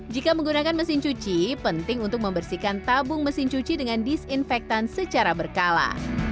jika menggunakan mesin cuci penting untuk membersihkan tabung mesin cuci dengan disinfektan secara berkala